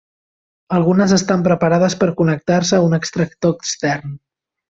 Algunes estan preparades per connectar-se a un extractor extern.